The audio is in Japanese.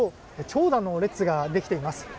長蛇の列ができています。